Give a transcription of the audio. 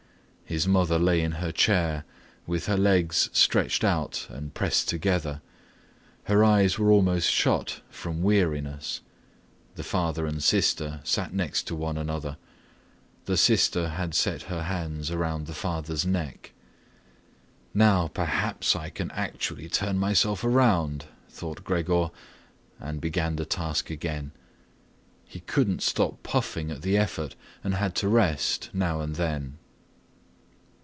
His mother lay in her chair, with her legs stretched out and pressed together; her eyes were almost shut from weariness. The father and sister sat next to one another. The sister had set her hands around the father's neck. "Now perhaps I can actually turn myself around," thought Gregor and began the task again. He couldn't stop puffing at the effort and had to rest now and then.